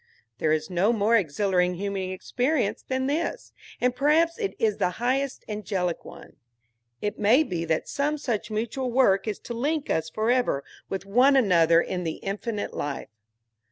There is no more exhilarating human experience than this, and perhaps it is the highest angelic one. It may be that some such mutual work is to link us forever with one another in the Infinite Life.